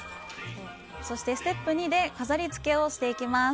そしてステップ２で飾りつけをしていきます。